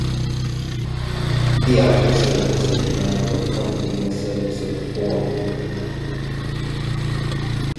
The outer surface of the mandrel forms the inner surface of the form.